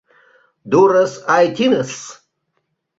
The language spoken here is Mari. Дурыс айтисын!